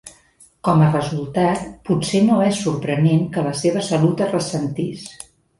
Com a resultat, potser no és sorprenent que la seva salut es ressentís.